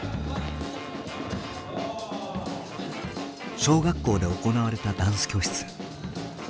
小学校で行われたダンス教室。